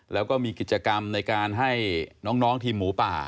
แล้วก็มีกิจกรรมในการให้น้องทีมหมูป่า